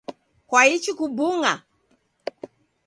Kwaichi kubung’a?.